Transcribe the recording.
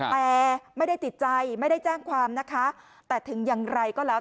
แต่ไม่ได้ติดใจไม่ได้แจ้งความนะคะแต่ถึงอย่างไรก็แล้ว